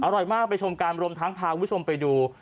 อร่อยมากไปชมกันรวมทางพาวิชมไปดู